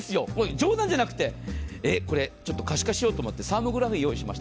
冗談じゃなくて、可視化しようと思ってサーモグラフィー用意しまし。